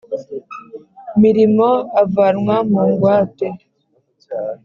mirimo avanwa mu ngwate